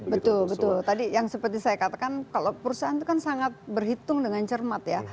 betul betul tadi yang seperti saya katakan kalau perusahaan itu kan sangat berhitung dengan cermat ya